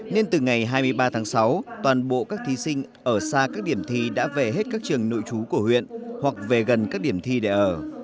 nên từ ngày hai mươi ba tháng sáu toàn bộ các thí sinh ở xa các điểm thi đã về hết các trường nội trú của huyện hoặc về gần các điểm thi để ở